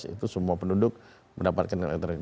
itu semua penduduk mendapatkan elektronik